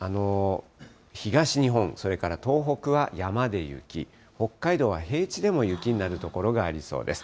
東日本、それから東北は山で雪、北海道は平地でも雪になる所がありそうです。